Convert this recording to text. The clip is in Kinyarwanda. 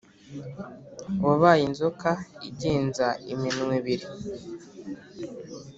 wabaye inzoka igenza iminwa ibiri,